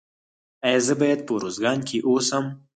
ایا زه باید په ارزګان کې اوسم؟